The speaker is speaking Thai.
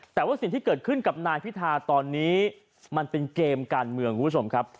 แต่ว่าสิ่งที่เกิดขึ้นกับนายพิธาตอนนี้มันเป็นเกมการเมืองคุณผู้ชมครับ